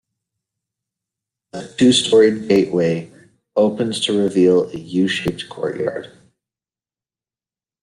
A two-storeyed gateway opens to reveal a U-shaped courtyard.